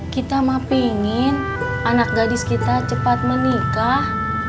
kita mah pengen anak gadis kita cepat menikah